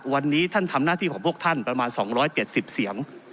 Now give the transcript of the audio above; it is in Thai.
วันนี้ท่านทำหน้าที่ของพวกท่านประมาณ๒๗๐เสียง